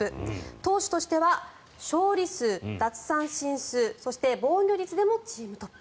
投手としては勝利数、奪三振数そして防御率でもチームトップ。